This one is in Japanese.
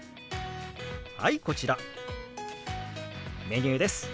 はいこちらメニューです。